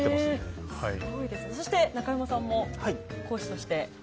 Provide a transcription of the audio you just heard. そして、中山さんも講師として。